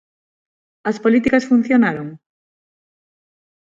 ¿As políticas funcionaron?